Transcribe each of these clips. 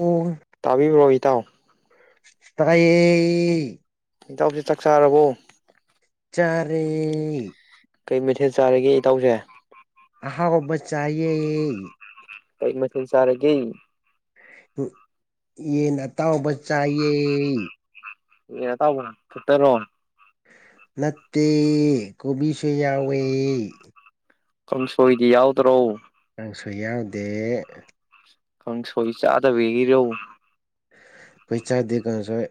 ꯑꯣ ꯇꯥꯕꯤ ꯔꯣꯍꯤꯇꯥꯣ ꯇꯩ [inaudible] ꯏꯟꯇꯎꯁꯤ ꯆꯥꯛ ꯆꯥꯔꯕꯣ ꯆꯥꯔꯦ ꯀꯩ ꯃꯩꯊꯦꯜꯠ ꯆꯥꯔꯤꯒꯦ ꯏꯇꯥꯎꯁꯦ ꯑꯍꯥꯎꯕ ꯆꯥꯏꯌꯦ ꯀꯔꯤ ꯃꯊꯦꯜ ꯆꯥꯔꯒꯦ ꯌꯦ ꯅ ꯇꯥꯎꯕ ꯆꯆꯥꯑ ꯌꯦ ꯇꯥꯎꯕ ꯐꯇꯔꯣ ꯅꯠꯇꯦ ꯀꯣꯕꯤꯁꯨ ꯌꯥꯎꯋꯦ ꯀꯥꯡꯁꯣꯏꯗꯤ ꯌꯥꯎꯗ꯭ꯔꯣ ꯅꯪꯁꯨ ꯌꯥꯎꯗꯦ ꯀ ꯁꯣꯏ ꯆ ꯑꯗ ꯦꯍꯤꯔꯎ ꯄꯩꯁꯥꯗꯤ ꯀꯥꯡꯁꯣꯏ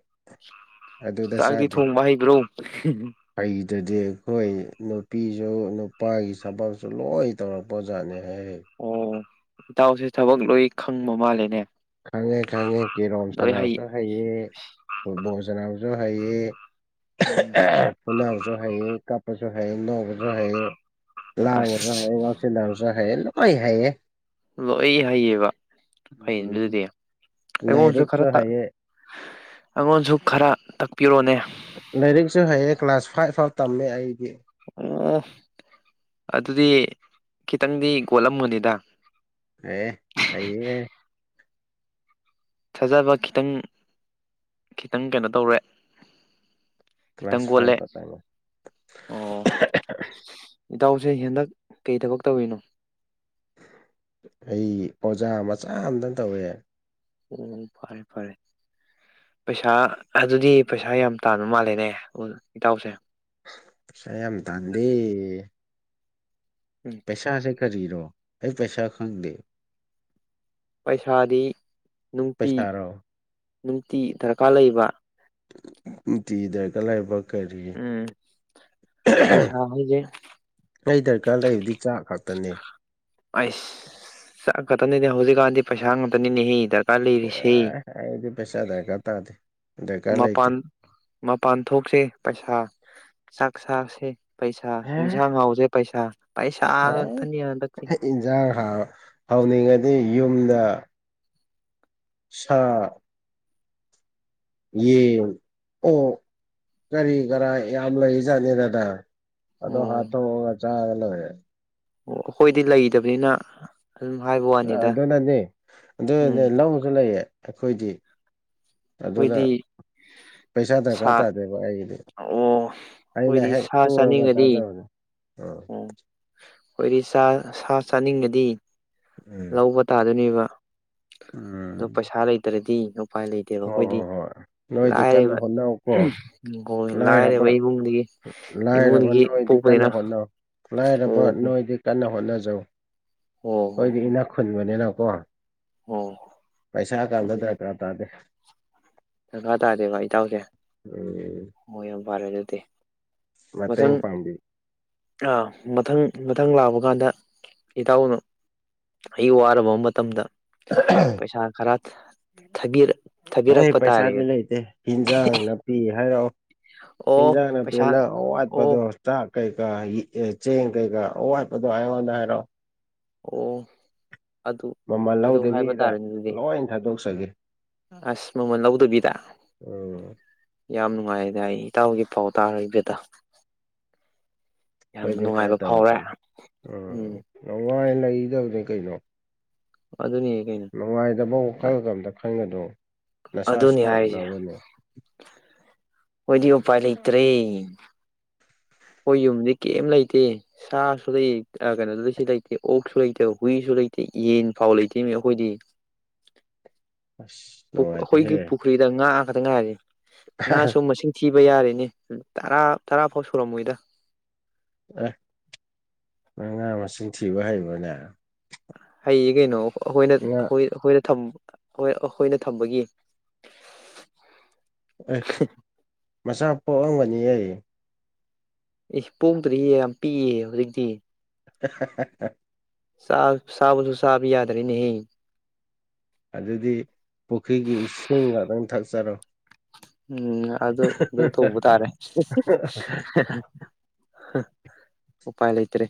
ꯑꯗꯨꯗ ꯆꯥꯛꯗꯤ ꯊꯣꯡꯕ ꯍꯩꯕ꯭ꯔꯣ ꯐꯩꯗꯗꯤ ꯑꯩꯈꯣꯏ ꯅꯨꯄꯤꯁꯨ ꯅꯨꯄꯥꯒꯤ ꯊꯕꯛꯁꯨ ꯂꯣꯏ ꯇꯧꯔꯛꯄ ꯑꯣꯖꯥꯠꯅꯤ ꯍꯥꯏꯔ ꯑꯣ ꯏꯇꯥꯎꯁꯦ ꯊꯕꯛ ꯂꯣꯏ ꯈꯪꯕ ꯃꯥꯜꯂꯦꯅꯦ ꯈꯪꯉꯦ ꯈꯪꯉꯦ ꯀꯦꯔꯣꯝ ꯂꯣꯏ ꯍꯩ ꯁꯥꯟꯅꯕꯁꯨ ꯍꯩꯌꯦ ꯐꯨꯠꯕꯣꯜ ꯁꯥꯟꯅꯕꯁꯨ ꯍꯩꯌꯦ ꯎꯝ ꯐꯨꯅꯥꯕꯁꯨ ꯍꯌꯦ ꯀꯥꯞꯄꯁꯨ ꯍꯩꯌꯦ ꯅꯧꯕꯁꯨ ꯍꯩꯌꯦ ꯂꯥ ꯂꯥ ꯑꯁ ꯉꯥꯎꯁꯤꯟꯅꯕꯁꯨ ꯍꯥꯏꯌꯦ ꯂꯣꯏ ꯍꯩꯌꯦ ꯂꯣꯏ ꯍꯩꯌꯦꯕ ꯐꯩ ꯎꯝ ꯑꯗꯨꯗꯤ ꯑꯩꯉꯣꯟꯁꯨ ꯂꯥꯏꯔꯤꯛꯁꯨ ꯈꯔ ꯍꯩꯌꯦ ꯑꯩꯉꯣꯟꯁꯨ ꯈꯔ ꯇꯥꯛꯄꯤꯔꯣꯅꯦ ꯂꯥꯏꯔꯤꯛꯁꯨ ꯍꯩꯌꯦ ꯀ꯭ꯂꯥꯁ ꯐꯥꯏꯚ ꯐꯥꯎꯕ ꯇꯝꯃꯦ ꯑꯩꯗꯤ ꯑꯣ ꯑꯗꯨꯗꯤ ꯈꯤꯇꯪꯗꯤ ꯀꯣꯠꯂꯝꯃꯨꯅꯤꯗ ꯑꯦ ꯍꯩꯌꯦ ꯊꯥꯖꯕ ꯈꯤꯇꯪ ꯈꯤꯇꯪ ꯀꯩꯅꯣ ꯇꯧꯔꯦ ꯈꯤꯇꯪ ꯀ꯭ꯂꯥꯁ ꯐꯥꯏꯚ ꯒꯣꯠꯂꯦ ꯈꯛꯇꯪ ꯑꯣ ꯏꯇꯥꯎꯁꯦ ꯍꯦꯟꯗꯛ ꯀꯩ ꯊꯕꯛ ꯇꯧꯔꯤꯅꯣ ꯑꯩ ꯑꯣꯖꯥ ꯃꯆꯥ ꯑꯝꯇꯪ ꯇꯧꯋꯦ ꯎꯝ ꯐꯔꯦ ꯐꯔꯦ ꯄꯩꯁꯥ ꯑꯗꯨꯗꯤ ꯄꯩꯁꯥ ꯌꯥꯝ ꯇꯥꯟꯕ ꯃꯥꯜꯂꯦꯅꯦ ꯏꯇꯥꯎꯁꯦ ꯄꯩꯁꯥ ꯌꯥꯝ ꯇꯥꯟꯗꯦ ꯎꯝ ꯄꯩꯁꯥꯁꯦ ꯀꯔꯤꯅꯣ ꯑꯩ ꯄꯩꯁꯥ ꯈꯪꯗꯦ ꯄꯩꯁꯥꯗꯤ ꯅꯨꯡꯇꯤ ꯄꯩꯁꯥꯔꯣ ꯅꯨꯡꯇꯤ ꯗꯔꯀꯥꯔ ꯂꯩꯕ ꯅꯨꯡꯇꯤ ꯗꯔꯀꯥꯔ ꯂꯩꯕ ꯀꯔꯤ ꯎꯝ ꯄꯩꯁꯥ ꯍꯥꯏꯁꯦ ꯑꯩ ꯗꯔꯀꯥꯔ ꯂꯩꯕꯗꯤ ꯆꯥꯛ ꯈꯛꯇꯅꯦ ꯑꯩꯁ ꯆꯠ ꯈꯛꯇꯅꯤꯅꯦ ꯍꯧꯖꯤꯛꯀꯥꯟꯗꯤ ꯄꯩꯁꯥ ꯉꯥꯛꯇꯅꯤꯅꯦ ꯍ ꯗꯔꯀꯥꯔ ꯂꯩꯔꯤꯁꯤ ꯗꯤ ꯄꯩꯁꯥꯗ ꯀ ꯇꯗꯤ ꯃꯄꯥꯟ ꯃꯄꯥꯟ ꯊꯣꯛꯁꯤ ꯄꯩꯁꯥ ꯆꯥꯛ ꯆꯁꯤ ꯄꯩꯁꯥ ꯏꯟꯁꯥꯡ ꯍꯥꯎꯗ꯭ꯔꯦ ꯄꯩꯁꯥ ꯄꯩꯁꯥ ꯉꯥꯛꯇꯅꯤ ꯍꯟꯗꯛꯁꯦ ꯌꯦꯟꯁꯥꯡ ꯍꯥ ꯍꯧꯅꯤꯡꯉꯗꯤ ꯌꯨꯝꯗ ꯁꯥ ꯌꯦ ꯑꯣ ꯀꯔꯤ ꯀꯔ ꯌꯥꯝ ꯂꯩ ꯖꯥꯠꯅꯤ ꯗꯗꯥ ꯑꯗꯣ ꯑꯣ ꯍꯥꯊꯣ ꯊꯣꯡꯉꯥ ꯆꯥꯔꯒ ꯂꯣꯏꯔꯦ ꯑꯣ ꯑꯩꯈꯣꯏꯗꯤ ꯂꯩꯇꯕꯅꯤꯅ ꯎꯝ ꯍꯥꯏꯕ ꯋꯥꯅꯤꯗ ꯑꯗꯨꯅꯅꯦ ꯑꯗꯨꯅꯦ ꯎꯝ ꯂꯧꯁꯨ ꯂꯩꯌꯦ ꯑꯩꯈꯣꯏꯗꯤ ꯑꯗꯨꯅ ꯑꯩꯈꯣꯏꯗꯤ ꯄꯩꯁꯥ ꯁꯥ ꯗꯔꯀꯥꯔ ꯇꯥꯗꯦꯕ ꯑꯩꯗꯤ ꯑꯣ ꯑꯩꯅ ꯑꯩꯈꯣꯏꯗꯤ ꯍꯦꯛ ꯁꯥ ꯊꯨꯔꯒ ꯆꯥꯅꯤꯡꯉꯗꯤ ꯆꯥꯖꯕꯅꯦ ꯎꯝ ꯑꯣ ꯑꯩꯈꯣꯏꯗꯤ ꯆ ꯁꯥ ꯆꯥꯅꯤꯡꯕꯗꯤ ꯎꯝ ꯂꯧꯕ ꯇꯥꯗꯣꯏꯅꯦꯕ ꯑꯗꯣ ꯎꯝ ꯄꯩꯁꯥ ꯂꯩꯇ꯭ꯔꯗꯤ ꯎꯄꯥꯏ ꯂꯩꯇꯦ ꯀꯩꯅꯣ ꯍꯣꯏ ꯑꯩꯈꯣꯏꯗꯤ ꯍꯣꯏ ꯍꯣꯏ ꯅꯣꯏꯗꯤ ꯀꯟꯅ ꯂꯥꯏꯌꯦꯕ ꯍꯣꯠꯅꯧꯀꯣ ꯎꯝ ꯍꯣꯏ ꯂꯥꯏꯔꯕ ꯂꯥꯏꯔꯕꯩ ꯏꯕꯨꯡꯒꯤ ꯂꯥꯏꯔꯕ ꯏꯃꯨꯡꯒꯤ ꯅꯣꯏꯗꯤ ꯀꯟꯅ ꯄꯣꯛꯄꯅꯤꯅ ꯍꯣꯠꯅꯧ ꯂꯥꯏꯔꯕ ꯑꯣ ꯅꯣꯏꯗꯤ ꯀꯟꯅ ꯍꯣꯠꯅꯖꯧ ꯑꯣ ꯍꯣ ꯑꯩꯣꯏꯗꯤ ꯍꯣ ꯏꯅꯥꯛ ꯈꯨꯟꯕꯅꯤꯅꯀꯣ ꯑꯣ ꯄꯩꯁꯥ ꯀꯗꯗ꯭ꯔ ꯀꯥ ꯇꯥꯗꯦ ꯗꯔꯥ ꯇꯥꯔꯦꯕ ꯏꯇꯥꯎꯁꯦ ꯎꯝ ꯍ ꯌꯥꯝ ꯐꯔꯦ ꯑꯗꯨꯗꯤ ꯃꯇꯦꯡ ꯃꯊꯪ ꯄꯥꯝꯕꯤ ꯑꯥ ꯃꯊꯪ ꯃꯊꯪ ꯂꯥꯛꯄ ꯀꯥꯟꯗ ꯏꯇꯥꯎꯅ ꯑꯩ ꯋꯥꯔꯕ ꯃꯇꯝꯗ [unintelligible] ꯄꯩꯁꯥ ꯈꯔ ꯊꯒꯔ ꯑꯩ ꯄꯩꯁꯥꯗꯤ ꯂꯩꯇꯦ ꯍꯟꯖꯥꯡ ꯅꯥꯄꯤ ꯍꯥꯏꯔꯛꯑꯣ ꯑꯣ ꯏꯖꯒ ꯅ ꯄꯤ ꯄꯩꯁꯥ ꯅ ꯑꯣ ꯋꯥꯄꯊ [inaudible] ꯆꯥꯛ ꯀꯩꯀꯥ ꯑꯦ ꯆꯦꯡ ꯀꯩꯀꯥ ꯑꯋꯥꯠꯄꯗꯣ ꯑꯩꯉꯣꯟꯗ ꯍꯥꯏꯔꯣꯑꯣ ꯑꯣ ꯑꯗꯨ ꯑꯗꯨ ꯍꯥꯏꯕ ꯇꯥꯔꯦꯅꯦ ꯑꯗꯨꯗꯤ ꯍꯅ ꯊꯥꯗꯣꯛꯆꯒꯦ [inaudible] ꯑꯁ ꯃꯃꯜ ꯂꯧꯗꯕꯤꯗ ꯑꯣꯝ ꯌꯥꯝ ꯅꯨꯡꯉꯥꯏꯗ ꯑꯩ ꯏꯇꯥꯎꯒꯤ ꯄꯥꯎ [inaudible] ꯌꯥꯝ ꯈꫭꯏꯗꯤ ꯈꯔ ꯅꯨꯡꯉꯥꯏꯕ ꯐꯥꯎꯔꯦ ꯇꯧꯔꯛꯀꯅꯤ ꯎ ꯎꯝ ꯌꯥꯝ ꯋꯥꯏ ꯂꯩꯗꯕꯅꯦ ꯀꯩꯅꯣ ꯑꯗꯨꯅꯤ ꯀꯩꯅꯣ ꯅꯨꯡꯉꯥꯏꯇꯕ ꯋꯥꯈꯜꯒ ꯑꯝꯇ ꯈꯟꯒꯗꫪꫭ ꯑꯗꯨꯅꯤ ꯍꯥꯏꯔꯤꯖꯦ ꯑꯣꯏꯗꯤ ꯎꯄꯥꯏ ꯂꯩꯇ꯭ꯔꯦ ꯑꯩꯈꯣꯏ ꯌꯨꯝꯗꯤ ꯀꯩꯝ ꯂꯩꯇꯦ ꯁꯥꯁꯨ ꯂꯩ ꯀꯩꯅꯣꯗꯨꯗꯤ ꯁꯤ ꯂꯩꯇꯦ ꯑꯣꯛꯁꯨ ꯂꯩꯇꯦ ꯍꯨꯏꯁꯨ ꯂꯩꯇꯦ ꯌꯦꯟ ꯐꯥꯎ ꯂꯩꯇꯦꯅꯦ ꯑꯩꯈꯣꯏꯗꯤ ꯑꯁ ꯅꯨꯡꯉꯥꯏꯇꯦꯍꯦ ꯑꯩꯈꯣꯏꯒꯤ ꯄꯨꯈ꯭ꯔꯤꯗ ꯉꯥ ꯈꯛꯇꯪ ꯉꯥꯏꯔꯦ ꯉꯥꯁꯨ ꯃꯁꯤꯡ ꯊꯤꯕ ꯌꯥꯔꯦꯅꯦ ꯇꯔꯥ ꯇꯔꯥꯐꯥꯎ ꯁꯨꯔꯝꯃꯣꯏꯗ ꯑꯦ ꯅꯪ ꯉꯥ ꯃꯁꯤꯡ ꯊꯤꯕ ꯍꯩꯕꯔꯅꯦ ꯍꯩꯌꯦ ꯀꯩꯅꯣ ꯑꯩꯈꯣꯏꯅ ꯉꯥ ꯈꯣꯏ ꯑꯩꯈꯣꯏꯅ ꯊꯝ ꯍꯣꯏ ꯑꯩꯈꯣꯏꯅ ꯊꯝꯕꯒꯤ ꯑꯦ ꯃꯆꯥ ꯄꯣꯛꯑꯝꯒꯅꯤꯌꯦ ꯑꯦ ꯄꯣꯛꯇꯔꯤꯌꯦ ꯌꯥꯝ ꯄꯤꯛꯏꯌꯦ ꯍꯧꯖꯤꯛꯇꯤ [inaudible] ꯆꯥꯕ ꯆꯕꯁꯨ ꯆꯥꯕ ꯌꯥꯗꯔꯦꯅꯦꯍꯦ ꯑꯗꯨꯗꯤ ꯄꯨꯈ꯭ꯔꯤꯒꯤ ꯏꯁꯤꯡꯒ ꯑꯗꯨꯝ ꯊꯛꯆꯔꯣ ꯎꯝ ꯑꯗꯨ ꯑꯗꯨ ꯇꯧꯕ ꯇꯥꯔꯦ ꯎꯄꯥꯏ ꯂꯩꯇꯔꯦ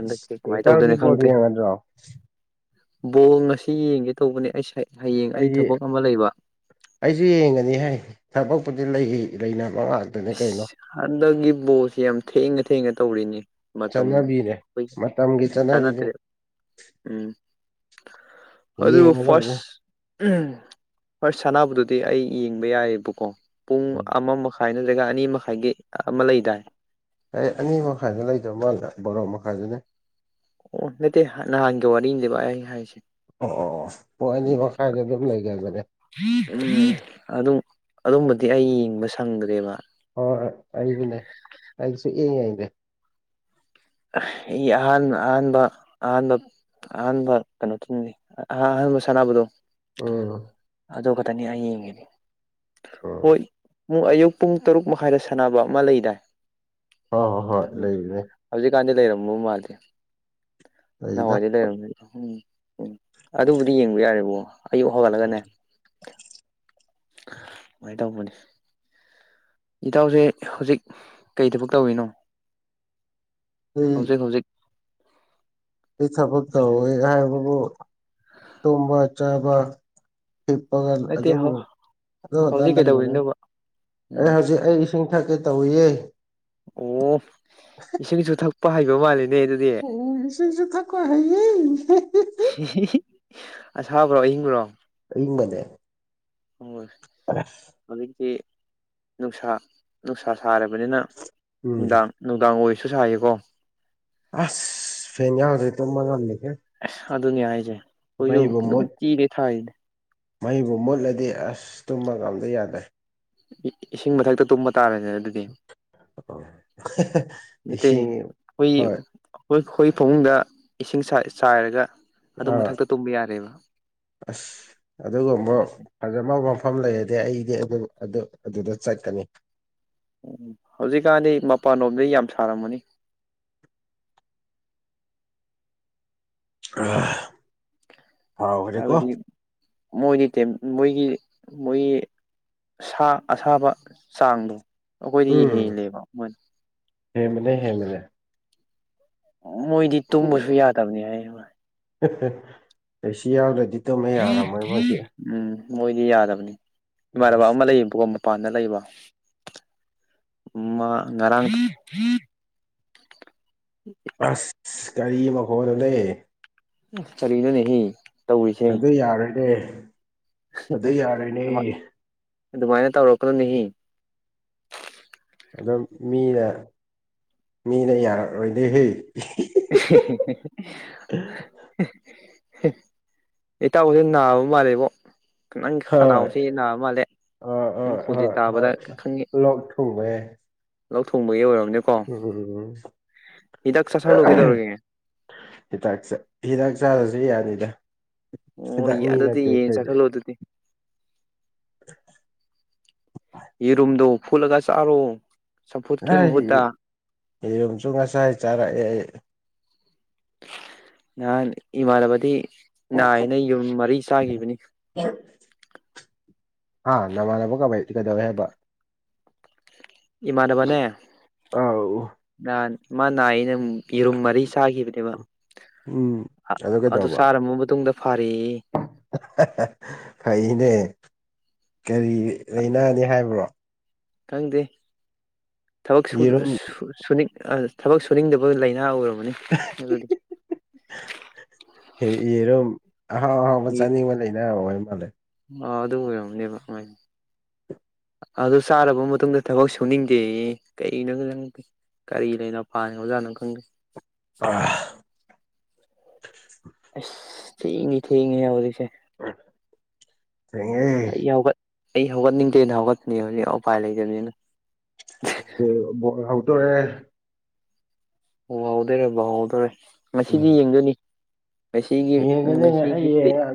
ꯍꯟꯗꯛꯇꯤ ꯀꯃꯥꯏꯅ ꯏꯇꯥꯎꯗꯤ ꯇꯧꯗꯣꯏꯅ ꯕꯣꯜ ꯈꯪꯗꯦ ꯌꯦꯡꯉꯗ꯭ꯔꯣ ꯕꯣꯜ ꯉꯁꯤ ꯌꯦꯡꯒꯦ ꯇꯧꯕꯅꯦ ꯑꯩꯁꯦ ꯍꯌꯦꯡ ꯑꯩ ꯑꯩꯗꯤ ꯊꯕꯛ ꯑꯃ ꯂꯩꯕ ꯑꯩꯁꯨ ꯌꯦꯡꯒꯅꯤ ꯍꯦ ꯊꯕꯛꯄꯨꯗꯤ ꯂꯩ ꯂꯩꯅꯥꯕ ꯉꯥꯛ ꯏꯁ ꯍꯟꯗꯛꯀꯤ ꯕꯣꯜꯁꯦ ꯌꯥꯝꯅ ꯊꯦꯡꯅ ꯊꯦꯡꯅ ꯇꯧꯔꯦꯅꯦ ꯃꯇꯝ ꯆꯠꯅꯕꯤꯅꯦ ꯑꯩꯈꯣꯏꯒꯤ ꯃꯇꯝꯒꯤ ꯆꯠꯅꯕꯤꯅꯤ ꯆꯥꯟꯅꯗ꯭ꯔꯦ ꯎꯝ ꯌꯦꯡꯒꯗꯕꯅꯦ ꯍꯣꯏ ꯁꯥꯟꯅꯥꯕꯨꯗꯨꯗꯤ ꯑꯩ ꯌꯦꯡꯕ ꯌꯥꯏꯌꯦꯕꯀꯣ ꯄꯨꯡ ꯑꯃꯃꯛ ꯊꯥꯏꯅ ꯖꯒꯥ ꯑꯅꯤ ꯃꯈꯥꯏꯒꯤ ꯑꯃ ꯂꯩꯗꯥꯏ ꯑꯩ ꯑꯅꯤ ꯃꯈꯥꯏꯗ ꯂꯩꯗꯧꯗꯧ ꯃꯥꯟꯗꯔꯦ ꯕꯥꯔꯣ ꯃꯈꯥꯏꯗꯅꯦ ꯑꯣ ꯅꯠꯇꯦ ꯅꯍꯥꯟꯒꯤ ꯋꯥꯔꯤꯅꯤꯅꯦꯕ ꯑꯩ ꯍꯥꯏꯁꯦ ꯑꯣ ꯑꯣ ꯑꯣ ꯑꯅꯤ ꯃꯈꯥꯏꯗ ꯑꯗꯨꯝ ꯂꯩꯒꯟꯕꯅꯦ ꯑꯗꯨꯝ ꯑꯗꯨꯝꯕꯗꯤ ꯑꯩ ꯌꯦꯡꯕ ꯁꯪꯗ꯭ꯔꯦꯕ ꯑꫭ ꯑꯖꯨꯅꯦ ꯑꯩꯖꯨ ꯁꯨꯌꯦꯡ ꯌꯦꯡꯗꯦ ꯑꯩ ꯑꯍꯥꯟꯕ ꯑꯍꯥꯟꯕ ꯑꯍꯥꯟꯕ ꯑꯍꯥꯟꯕ ꯀꯩꯅꯣ ꯊꯨꯡꯅꯤ ꯑꯍꯥꯟꯕ ꯁꯥꯟꯅꯕꯗꯣ ꯎꯝ ꯑꯗꯨ ꯈꯛꯇꯅꯤ ꯎꯝ ꯍꯌꯦꯡꯒꯤꯅꯤꯍꯣꯏ ꯑꯌꯨꯛ ꯄꯨꯡ ꯇꯔꯨꯛ ꯃꯈꯥꯏꯗ ꯁꯥꯟꯅꯕ ꯑꯃ ꯂꯩꯗꯥꯏ ꯑꯥ ꯍꯣꯏ ꯂꯩꯕꯅꯦ ꯍꯧꯖꯤꯛꯀꯥꯟꯗꯤ ꯂꯩꯔꯝꯃꯕ ꯃꯥꯜꯂꯦ ꯂꯩꯗ ꯅꯍꯥꯟꯋꯥꯏꯗꯤ ꯂꯩꯔꯝꯗꯦ ꯎꯝ ꯑꯗꯨꯕꯨꯗꯤ ꯌꯦꯡꯕ ꯌꯥꯔꯦꯕꯣ ꯑꯌꯨꯛ ꯍꯧꯒꯠꯂꯒꯅꯦ ꯁꯨꯃꯥꯏꯅ ꯇꯧꯕꯅꯤ ꯏꯇꯥꯎꯁꯦ ꯍꯧꯖꯤꯛ ꯀꯩ ꯊꯕꯛ ꯇꯧꯔꯤꯅꯣ ꯑꯩ ꯍꯧꯖꯤꯛ ꯍꯧꯖꯤꯛ ꯑꯩ ꯊꯕꯛ ꯇꯧꯋꯦ ꯍꯥꯏꯕꯕꯨ ꯇꯨꯝꯕ ꯆꯥꯕ ꯍꯤꯞꯄꯒ ꯅꯠꯇꯦ ꯑꯗꯨꯝ ꯑꯗꯨꯒꯗ ꯍꯧꯖꯤꯛ ꯂꯕꯅꯦ ꯀꯩꯗꯧꯔꯤꯅꯣꯕ ꯎꯝ ꯑꯩ ꯍꯧꯖꯤꯛ ꯑꯩ ꯏꯁꯤꯡ ꯊꯛꯀꯦ ꯇꯧꯋꯤꯌꯦ ꯑꯣ ꯏꯁꯤꯡꯁꯨ ꯊꯛꯄ ꯍꯩꯕꯕ ꯃꯥꯜꯂꯦ ꯑꯣ ꯏꯁꯤꯡꯁꯨ ꯊꯛꯄ ꯍꯩꯌꯦ ꯑꯁꯥꯕ꯭ꯔꯣ ꯑꯍꯤꯡꯕ꯭ꯔꯣ ꯏꯪꯕꯅꯦ ꯍꯣꯏ ꯍꯧꯖꯤꯛꯇꯤ ꯅꯨꯡꯁꯥ ꯅꯨꯡꯁꯥ ꯁꯥꯔꯕꯅꯤꯅ ꯎꯝ ꯅꯨꯡꯗꯥꯡ ꯅꯨꯡꯗꯥꯡ ꯑꯣꯏꯔꯁꯨ ꯁꯥꯌꯦꯀꯣ ꯑꯁ ꯐꯦꯡ ꯌꯥꯎꯗꯦ ꯇ ꯃꯉꯜꯅꯤꯦ ꯑꯁ ꯑꯗꯨꯅꯦ ꯍꯥꯏꯁꯦ ꯑꯩꯈꯣꯏꯁꯨ ꯅꯨꯡꯇꯤꯅꯦ ꯊꯥꯏꯔꯤꯅꯦ ꯃꯍꯩꯕꯨ ꯃꯨꯠꯂꯗꯤ ꯑꯁ ꯇꯨꯝꯃ ꯉꯥꯟꯝꯗ ꯌꯥꯗ꯭ꯔꯦ ꯏꯁꯤꯡ ꯃꯊꯛꯇ ꯇꯨꯝꯕ ꯇꯥꯔꯦꯅꯦ ꯑꯗꯨꯗꯤ ꯠꯇ ꯏꯁꯤꯡ ꯑꯩꯣꯏ ꯍꯣꯏ ꯑꯩꯈꯣꯏ ꯐꯃꯨꯡꯗ ꯏꯁꯤꯡ ꯆꯥꯏꯔꯒ ꯑꯗꯨꯝ ꯑꯥ ꯃꯊꯛꯇ ꯇꯨꯝꯕ ꯌꯥꯔꯦꯕ ꯑꯁ ꯑꯗꯨꯒꯨꯝꯕ ꯐꯖꯃꯕ ꯃꯐꯝ ꯂꯩꯔꯗꯤ ꯑꯩꯗꯤ ꯑꯗꯨꯝ ꯑꯗꯨꯗ ꯆꯠꯀꯅꯤ ꯎꯝ ꯍꯧꯖꯤꯛꯀꯥꯟꯗꯤ ꯃꯄꯥꯟꯂꯣꯝꯗ ꯌꯥꯝ ꯁꯥꯔꯝꯃꯅꯤ ꯑ ꯍꯥꯏꯕꯗꯤ ꯃꯣꯏꯗꯤ ꯃꯣꯏꯒꯤ ꯃꯣꯏꯒꯤ ꯁꯥ ꯑꯁꯥꯕ ꯆꯥꯡꯗꯣ ꯑꯩꯈꯣꯏꯗꯤ ꯎꯝ ꯍꯦꯜꯂꯦꯕ ꯃꯣꯏꯅ ꯍꯦꯟꯕꯅꯦ ꯍꯦꯟꯕꯅꯦ ꯃꯣꯏꯗꯤ ꯇꯨꯝꯕꯁꯨ ꯌꯥꯗꯕꯅꯤ ꯍꯥꯏ ꯑꯩ ꯁꯤ ꯌꯥꯎꯗ꯭ꯔꯗꯤ ꯇꯝꯃꯦ ꯌꯥꯔꯝꯃꯣꯏ ꯃꯣꯏꯗꯤ ꯎꯝ ꯃꯣꯏꯗꯤ ꯌꯥꯗꯕꯅꯤ ꯏꯃꯥꯟꯅꯕ ꯑꯃ ꯂꯩꯌꯦꯕꯀꯣ ꯃꯄꯥꯟꯗ ꯂꯩꯕ ꯃꯥ ꯉꯔꯥꯡ ꯑꯁ ꯀꯔꯤ ꯃꯈꯣꯅꯣꯅꯦ ꯀꯔꯤꯅꯣꯅꯦꯍꯦ ꯇꯧꯔꯤꯁꯦ ꯑꯗꯨ ꯌꯥꯔꯒꯦ ꯑꯗꯨꯃꯥꯏꯅ ꯇꯧꯔꯛꯀꯗꯣꯅꯤ ꯑꯗꯨꯝ ꯃꯤꯅ ꯃꯤꯅ ꯌꯥꯔꯛꯔꯣꯏꯗꯤ ꯍ [inaudible] ꯎ ꯏꯇꯥꯎꯁꯦ ꯅꯥꯕ ꯃꯥꯜꯂꯦꯕꯣ ꯅꯪꯒꯤ ꯀꯅꯥꯣꯁꯦ ꯅꯥꯑ ꯃꯥꯜꯂꯦ ꯑ ꯑ ꯅꯪ ꯈꯣꯟꯖꯦꯜ ꯑ ꯍꯣꯏ ꯇꯥꯕꯗ ꯂꯣꯛ ꯊꯨꯡꯉꯦ ꯂꯧꯊꯣꯡꯕꯒꯤ ꯑꯣꯏꯔꯝꯅꯦ ꯎꯝ ꯆꯥꯥꯁꯜꯂꯨ ꯀꯩꯗꯧꯔꯒꯦ ꯍꯤꯗꯥꯛ ꯍꯤꯗꯥꯛ ꯆꯥꯔꯁꯨ ꯌꯥꯅꯤꯗ ꯍꯤꯗꯥꯛ ꯃꯤ ꯅꯠꯇꯦ ꯀꯩꯗꯤ ꯗꯤ ꯌꯦꯔꯨꯝꯗꯣ ꯐꯨꯠꯂꯒ ꯆꯥꯔꯣ ꯆꯝꯐꯨꯠꯀꯤ ꯅ ꯃꯍꯨꯠꯇ ꯌꯦꯔꯨꯝꯁꯨ ꯉꯁꯥꯏ ꯆꯥꯔꯛꯑꯦ ꯑꯩ [inaudible] ꯅꯍꯥꯟ ꯏꯃꯥꯟꯅꯕꯗꯤ ꯅꯥꯏꯅ ꯌꯨꯝ ꯃꯔꯤ ꯆꯥꯈꯤꯕꯅꯤ ꯑꯥ ꯅꯃꯥꯟꯅꯕ ꯀꯕꯥ ꯀꯩꯗꯧ ꯍꯥꯏꯕ ꯏꯃꯥꯟꯅꯕꯅꯦ ꯑꯧ ꯃꯥ ꯅꯥꯏꯅ ꯌꯦꯔꯨꯝ ꯃꯔꯤ ꯆꯥꯈꯤꯕꯅꯦꯕ ꯎꯝ ꯑꯗꯨ ꯀꯩꯗꯧꯕ ꯆꯥꯔꯕ ꯃꯇꯨꯡꯗ ꯐꯔꯦ ꯐꯩꯅꯦ ꯀꯔꯤ ꯂꯩꯥꯏꯅꯥꯅꯤ ꯍꯥꯏꯕ꯭ꯔꯣ ꯈꯪꯗꯦ ꯊꯕꯛ ꯌꯦꯔꯨꯝ ꯁꯨꯅꯤꯡ ꯊꯕꯛ ꯁꯨꯅꯤꯡꯗꯕ ꯂꯥꯏꯅꯥ ꯑꯣꯏꯔꯝ ꯑꯗꯨꯗꯤ ꯌꯦꯔꯨꯝ ꯑꯍꯥꯎ ꯑꯍꯥꯎꯕ ꯆꯥꯅꯤꯡꯕ ꯂꯩꯅ ꯑꯣꯏꯣꯏ ꯃꯥꯜꯂꯦ ꯑ ꯑꯗꯨ ꯑꯣꯏꯔꯝꯅꯤꯕ ꯑꯗꯨꯃꯥꯏꯅ ꯑꯗꯨ ꯆꯥꯔꯕ ꯃꯇꯨꯡꯗ ꯊꯕꯛ ꯁꯨꯅꯤꯡꯗꯦ ꯀꯩꯅꯣꯗꯦ ꯀꯔꯤ ꯂꯩꯅꯥ ꯄꯥꯟꯈ꯭ꯔꯖꯥꯠꯅꯣ ꯈꯪꯗꯦ ꯑ ꯑꯁ ꯊꯦꯡꯉꯦ ꯊꯦꯡꯉꯦ ꯌꯥꯎꯔꯤꯁꯦ ꯑꯩ ꯊꯦꯡꯉꯦ ꯌꯥꯎꯒꯠ ꯑꯩ ꯍꯧꯒꯠꯅꯤꯡꯗꯦꯅ ꯍꯧꯒꯠꯅꯤ ꯍꯧꯖꯤꯛ ꯎꯄꯥꯏ ꯂꯩꯇꯕꯅꯤꯅ ꯑꯣ ꯕꯣꯜ ꯍꯥꯎꯗꯧꯔꯦ ꯕꯣꯜ ꯍꯥꯎꯗꯣꯏꯔꯦ ꯕꯣꯜ ꯍꯥꯎꯗꯣꯏꯔꯦ ꯉꯁꯤꯒꯤ ꯎꯝ ꯌꯦꯡꯗꯣꯏꯅꯦ ꯌꯦꯡꯒꯅꯤ ꯑꯩ ꯌꯦꯡꯉ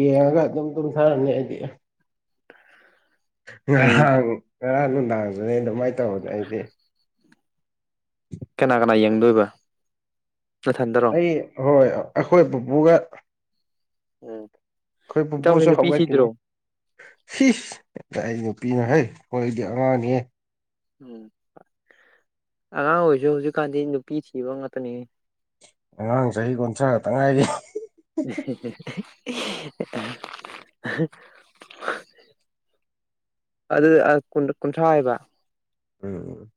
ꯌꯦꯡꯉꯒ ꯑꯗꯨꯝ ꯑꯗꯨꯨꯝꯊꯔꯅꯤ ꯑꯩꯗꯤ ꯎꯝ ꯉꯍꯥꯟ ꯉꯔꯥꯡ ꯅꯨꯡꯗꯥꯡꯁꯨꯅꯦ ꯑꯗꯨꯃꯥꯏꯅ ꯇꯧꯕꯅꯦ ꯑꯩꯗꯤ ꯀꯅꯥ ꯀꯅꯥ ꯌꯦꯡꯗꯣꯏꯕ ꯅꯊꯟꯗ ꯑꯩ ꯍꯣꯏ ꯑꯩꯈꯣꯏ ꯕꯨꯄꯨꯒ ꯎꯝ ꯏꯇꯥꯎꯕꯤ ꯄꯨꯄꯨꯁꯨ ꯅꯨꯄꯤꯁꯤꯗ꯭ꯔꯣ ꯍꯧꯒꯠꯈꯤꯅꯤ ꯁꯤꯁ ꯀꯥꯢ ꯅꯨꯄꯤꯅꯣ ꯍꯦ ꯑꯩꯈꯣꯏꯗꯤ ꯑꯉꯥꯡꯅꯤꯍ ꯎꯝ ꯑꯉꯥꯡ ꯑꯣꯏꯔꯤꯁꯨ ꯍꯧꯖꯤꯛꯀꯥꯟꯗꯤ ꯅꯨꯄꯤ ꯊꯤꯕ ꯉꯥꯛꯇꯅꯤ ꯑꯉꯥꯡ ꯆꯍꯤ ꯀꯨꯟꯊ꯭ꯔ ꯈꯛꯇꯥ ꯉꯥꯏꯔꯤ [unintelligible] ꯑꯗꯨ ꯑ ꯀꯨꯟ ꯀꯨꯟꯊ꯭ꯔꯥ ꯍꯥꯏꯕ ꯎꯝ ꯎꯝ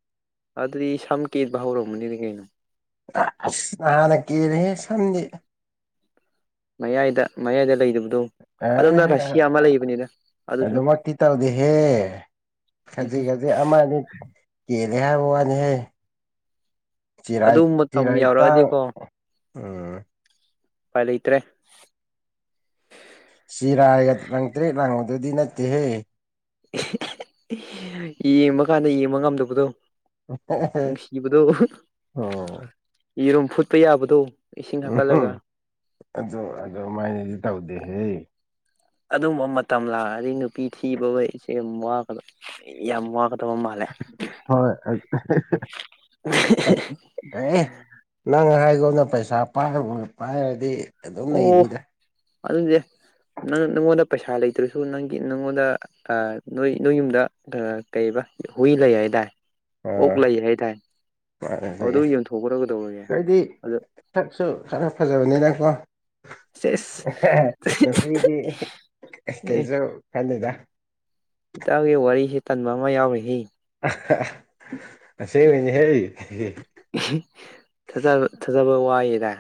ꯑꯗꯨꯗꯤ ꯁꯝꯀꯦꯠꯕ ꯍꯧꯔꯝꯃꯅꯤ ꯀꯩꯅꯣ ꯑ ꯑꯁ ꯅꯍꯥꯟꯅ ꯀꯦꯟꯂꯦꯍꯦ ꯁꯝꯗꯤ ꯃꯌꯥꯏꯗ ꯃꯌꯥꯏꯗ ꯂꯩꯔꯤꯕꯗꯣ ꯑ ꯑꯗꯨꯁꯨ ꯑꯗꯨꯃꯛꯇꯤ ꯇꯧꯗꯦꯍꯦ ꯈꯖꯤꯛ ꯈꯖꯤꯛ ꯑꯃꯅꯤ ꯀꯦꯜꯂꯦ ꯍꯥꯏꯕ ꯋꯥꯅꯤꯍꯦ ꯆꯤꯔꯏ ꯑꯗꯨ ꯃꯇꯝ ꯆꯤꯔꯥꯏ ꯇꯥꯡ ꯌꯥꯎꯔꯛꯑꯗꯤꯀꯣ ꯎꯝ ꯎꯄꯥꯏ ꯂꯩꯇ꯭ꯔꯦ ꯆꯤꯔꯥꯒ ꯂꯪꯇ꯭ꯔꯦꯠ ꯂꯥꯡꯕꯗꯨꯗꯤ ꯅꯠꯇꯦꯍꯦ ꯌꯦꯡꯕ ꯀꯥꯟꯗ ꯌꯦꯡꯕ ꯉꯝꯗꯕꯗꯣ ꯅꯨꯡꯁꯤꯕꯗꯣ ꯑꯣ ꯌꯦꯔꯨꯝ ꯐꯨꯠꯄ ꯌꯥꯕꯗꯣ ꯏꯁꯤꯡ ꯎꯝ ꯍꯥꯞꯀꯠꯂꯒ ꯑꯗꯨ ꯑꯗꯨ ꯃꯥꯏꯅꯦꯗꯤ ꯇꯧꯗꯦꯍꯦ ꯑꯗꯨꯝꯕ ꯃꯇꯝ ꯂꯥꯛꯑꯅꯤ ꯅꯨꯄꯤ ꯊꯤꯕ ꯍꯣꯏ ꯁꯦ ꯋꯥꯒꯅꯣ ꯌꯥꯝ ꯋꯥꯒꯅꯣ ꯍꯣꯏ [unintelligible] ꯑꯦ ꯅꯪ ꯍꯥꯏꯒꯣꯟꯅ ꯄꯩꯁꯥꯥꯏ ꯄꯥꯏꯔꯒꯨꯝꯅ ꯄꯥꯏꯔꯗꯤ ꯑꯗꯨꯝ ꯑꯣ ꯂꯩꯅꯤꯗ ꯑꯗꯨꯗꯤ ꯅꯪ ꯅꯪꯉꯣꯟꯗ ꯄꯩꯁꯥ ꯂꯩꯇ ꯑꯗꯨꯁꯨ ꯅꯪꯒꯤ ꯅꯉꯣꯟꯗ ꯑ ꯅꯣꯏ ꯅꯣꯏ ꯌꯨꯝꯗ ꯑ ꯀꯩꯕ ꯍꯨꯏ ꯂꯩ ꯍꯥꯏꯗꯥꯏ ꯑꯣꯛ ꯑꯥ ꯂꯩ ꯍꯥꯏꯗꯥꯏ ꯃꯥꯅꯦ ꯑꯗꯨ ꯂꯩꯌꯦ ꯌꯣꯟꯊꯣꯛꯈꯔꯣ ꯀꯩꯗꯧꯔꯒꯦ ꯅꯣꯏꯗꯤ ꯁꯛꯁꯨ ꯈꯔ ꯐꯖꯕꯅꯤ ꯅꯤꯅꯀꯣ ꯁꯦꯁ [unintelligible] ꯅꯨꯄꯤꯗꯤ ꯑꯦ ꯀꯩꯁꯨ ꯈꯟꯗꯦꯗ ꯏꯇꯥꯎꯒꯤ ꯋꯥꯔꯤꯁꯤ ꯇꯟꯕ ꯑꯃ ꯌꯥꯎꯔꯤꯍꯦ [unintelligible] ꯑꯁꯦꯡꯕꯩꯅꯦꯍꯦ [unintelligible] ꯊꯥꯖꯕ ꯊꯥꯖꯕ ꯋꯥꯏꯌꯦꯗ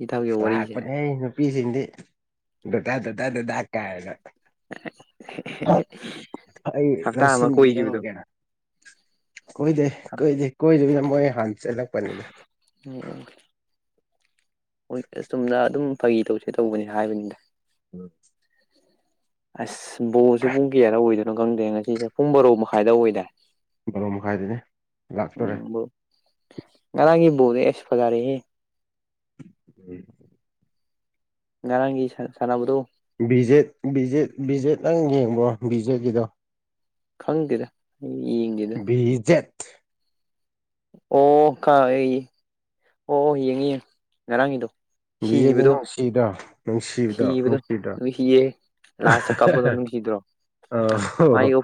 ꯏꯇꯥꯎꯒꯤ ꯋꯥꯔꯤꯁꯦ ꯂꯥꯛꯄꯥꯅꯦ ꯑꯩ ꯅꯨꯄꯤꯖꯤꯡꯗꯤ ꯗꯗꯥ ꯗꯗꯥ ꯗꯗꯥ ꯀꯥꯏꯅ [unintelligible] ꯑꯩ ꯍꯞꯇꯥ ꯑꯃ ꯂꯧꯁꯤꯟꯕꯤꯔꯧ ꯀꯣꯏꯈꯤꯕꯗꯣ ꯒ ꯀꯣꯏꯗꯦ ꯀꯣꯏꯗꯦ ꯀꯣꯏꯗꯃꯤꯗ ꯃꯣꯏ ꯍꯥꯟꯅ ꯆꯦꯜꯂꯛꯄꯅꯤꯅ ꯑꯝ ꯃꯣꯏ ꯑꯁꯨꯝꯅ ꯑꯗꯨꯝ ꯐꯒꯤ ꯇꯧꯁꯦ ꯇꯧꯕꯅꯦ ꯍꯥꯏꯕꯅꯤꯗ [unintelligible] ꯑꯁ ꯕꯣꯜꯁꯦ ꯄꯨꯡ ꯀꯌꯣꯗ ꯑꯣꯏꯗꯣꯏꯅꯣ ꯈꯪꯗꯦ ꯉꯁꯤꯁꯦ ꯄꯨꯡ ꯕꯥꯔꯣ ꯃꯈꯥꯏꯗ ꯑꯣꯏꯗꯏ ꯕꯥꯔꯣ ꯃꯈꯥꯏꯗꯅꯦ ꯂꯥꯛꯇꯣꯔꯦ ꯎꯝ ꯉꯔꯥꯡꯒꯤ ꯕꯣꯜ ꯑꯦꯁ ꯐꯖꯔꯦꯍꯦ ꯎꯝ ꯉꯔꯥꯡꯒꯤ ꯁꯥꯟ ꯁꯥꯟꯅꯕꯗꯣ ꯕꯤ ꯖꯦꯠ ꯕꯤꯖꯦꯠ ꯕꯤꯖꯦꯠ ꯅꯪ ꯌꯦꯡꯕ꯭ꯔꯣ ꯕꯤ ꯖꯦꯠꯀꯤꯗꯣ ꯈꯪꯗꯦꯗ ꯑꯩ ꯌꯦꯡꯗꯦꯗ ꯕꯤꯖꯦꯠ ꯑꯣ ꯀ ꯑꯩ ꯑꯣ ꯌꯦꯡꯉꯤ ꯌꯦꯡꯉꯤ ꯉꯔꯥꯡꯒꯤꯗꯣ ꯕꯤꯖꯦꯠꯇꯣ ꯁꯤꯕꯗꯣ ꯅꯨꯡꯁꯤꯗ꯭ꯔꯣ ꯅꯨꯡꯁꯤꯕꯗꯣ ꯁꯤꯕꯗꯣ ꯅꯨꯡꯁꯤꯗ꯭ꯔꯣ ꯅꯨꯡꯁꯤꯌꯦ ꯫ ꯂꯥꯁꯇ ꯀꯞꯄꯥꯗꯣ ꯅꯨꯡꯁꯤꯗ꯭ꯔꯣ ꯑ ꯍꯣ ꯃꯥꯏ ꯍꯣ